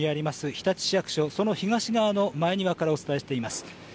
日立市役所、その東側の前庭からお伝えしています。